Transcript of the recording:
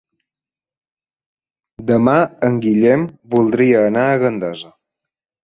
Demà en Guillem voldria anar a Gandesa.